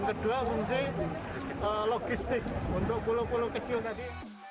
kedua fungsi logistik untuk bulu bulu kecil tadi